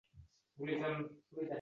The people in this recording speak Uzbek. Gruzinlar shunday kino qilishipti.